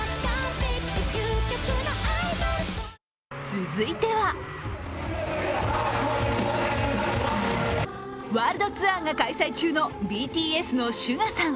続いてはワールドツアーが開催中のＢＴＳのＳＵＧＡさん。